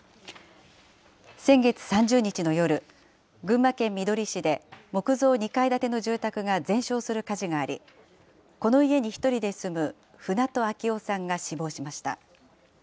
先月３０日の夜、群馬県みどり市で木造２階建ての住宅が全焼する火事があり、この家に１人で住む船戸秋雄さんが死亡しました。